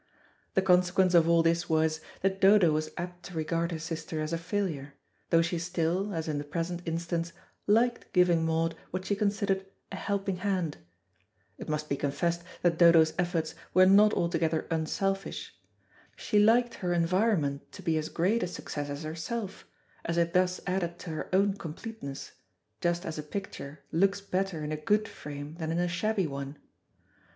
The consequence of all this was, that Dodo was apt to regard her sister as a failure, though she still, as in the present instance, liked giving Maud what she considered a helping hand. It must be confessed that Dodo's efforts were not altogether unselfish. She liked her environment to be as great a success as herself, as it thus added to her own completeness, just as a picture looks better in a good frame than in a shabby one.